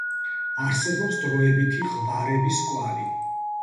არსებობს დროებითი ღვარების კვალი.